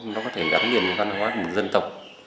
nó có thể gắn liền với văn hóa của một dân tộc